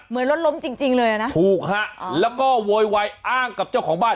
เหมือนรถล้มจริงจริงเลยอ่ะนะถูกฮะแล้วก็โวยวายอ้างกับเจ้าของบ้าน